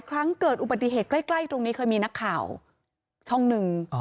ครั้งเกิดอุบัติเหตุใกล้ตรงนี้เคยมีนักข่าวช่องหนึ่ง